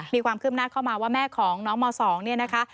มีความคืบหน้าเข้ามาว่าแม่ของน้องม๒เนี่ยนะคะ